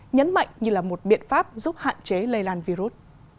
nhấn mạnh như là một biện pháp giúp hạn chế lây lan virus